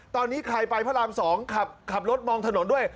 ตอนนี้ใครไปพระราม๒ขับรถมองถนนด้วย